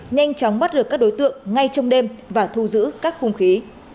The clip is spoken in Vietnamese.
nhanh chóng bắt được các đối tượng ngay trong đêm và thu giữ các khung khí